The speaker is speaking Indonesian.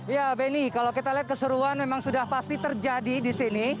ya benny kalau kita lihat keseruan memang sudah pasti terjadi di sini